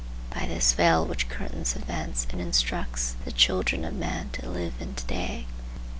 By this veil which curtains events it instructs the children of men to live in to day.